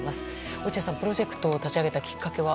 落合さん、プロジェクトを立ち上げたきっかけは？